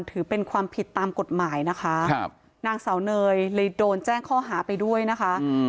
ถือเป็นความผิดตามกฎหมายนะคะครับนางเสาเนยเลยโดนแจ้งข้อหาไปด้วยนะคะ